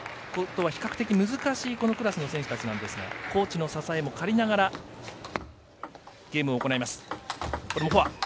比較的、難しいクラスの選手たちなんですがコーチの支えも借りながらゲームを行います。